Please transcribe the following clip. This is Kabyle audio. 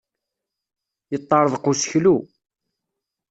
Yeṭṭarḍaq useklu.